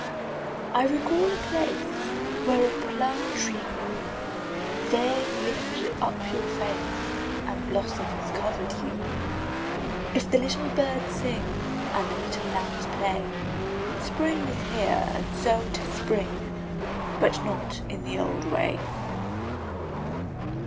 I recall a place Where a plum tree grew; There you lifted up your face, And blossoms covered you. If the little birds sing, And the little lambs play, Spring is here; and so âtis spring But not in the old way!